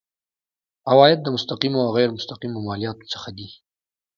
عواید د مستقیمو او غیر مستقیمو مالیاتو څخه دي.